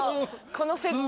このセット。